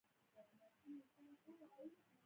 باسواده نجونې د غلا کولو څخه کرکه لري.